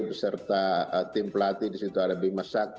beserta tim pelatih di situ ada bimasak